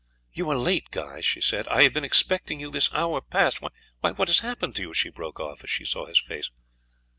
"You are late, Guy," she said; "I have been expecting you this hour past. Why, what has happened to you?" she broke off as she saw his face.